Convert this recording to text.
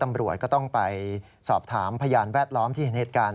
ตำรวจก็ต้องไปสอบถามพยานแวดล้อมที่เห็นเหตุการณ์